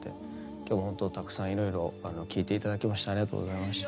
今日はほんとたくさんいろいろ聞いて頂きましてありがとうございました。